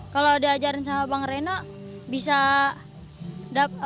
kalau diajarin sama bang reno bisa tahu tekniknya